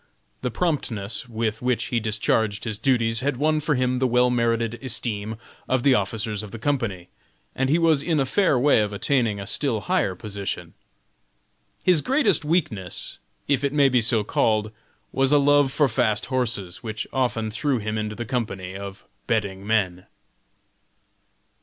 The promptness with which he discharged his duties had won for him the well merited esteem of the officers of the company, and he was in a fair way of attaining a still higher position. His greatest weakness if it may be so called was a love for fast horses, which often threw him into the company of betting men.